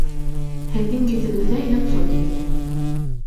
Һеҙҙең йөҙөгөҙҙә йонсоу һиҙелә